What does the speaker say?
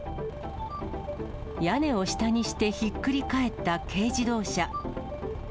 屋根を下にしてひっくり返った軽自動車。